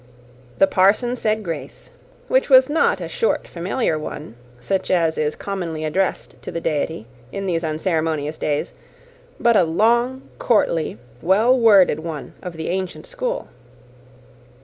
The parson said grace, which was not a short, familiar one, such as is commonly addressed to the Deity, in these unceremonious days; but a long, courtly, well worded one of the ancient school.